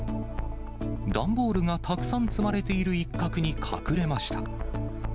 段ボールがたくさん積まれている一角に隠れました。